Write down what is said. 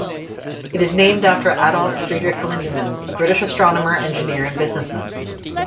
It is named after Adolph Friedrich Lindemann, a British astronomer, engineer and businessman.